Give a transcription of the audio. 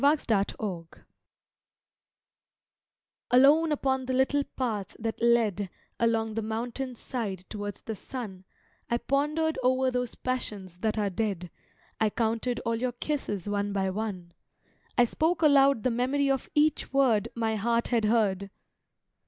A MOUNTAIN PATH Alone upon the little path that led Along the mountain side towards the sun I pondered o'er those passions that are dead, I counted all your kisses one by one; I spoke aloud the memory of each word My heart had heard.